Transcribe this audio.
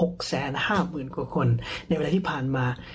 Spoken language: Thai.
๖๕๐๐๐๐กว่าคนในเวลาที่ผ่านมา